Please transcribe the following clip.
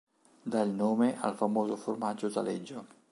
Dà il nome al famoso formaggio Taleggio.